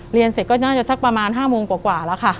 เรียนเสร็จก็น่าจะสักประมาณ๕โมงกว่าแล้วค่ะ